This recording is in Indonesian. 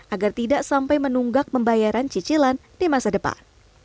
agar tidak sampai menunggak pembayaran cicilan di masa depan